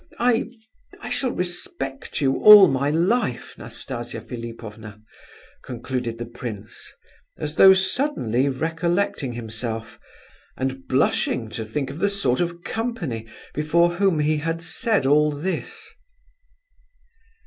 I—I shall respect you all my life, Nastasia Philipovna," concluded the prince, as though suddenly recollecting himself, and blushing to think of the sort of company before whom he had said all this.